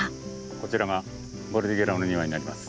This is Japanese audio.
こちらがボルディゲラの庭になります。